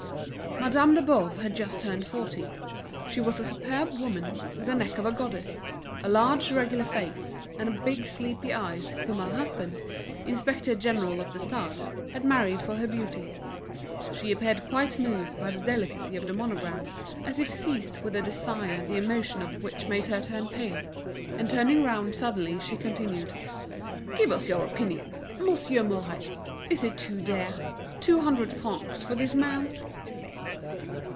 Madame de Boves had just turned forty. She was a superb woman, with the neck of a goddess, a large regular face, and big sleepy eyes, whom her husband, Inspector General of the Stud, had married for her beauty. She appeared quite moved by the delicacy of the monogram, as if seized with a desire the emotion of which made her turn pale, and turning round suddenly, she continued: "Give us your opinion. Monsieur Mouret. Is it too dear—two hundred francs for this mount?"